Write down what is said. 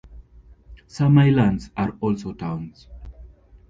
Some islands are also towns.